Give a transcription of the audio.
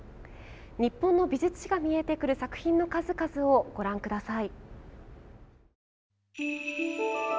日本の美術史が見えてくる作品の数々をご覧ください。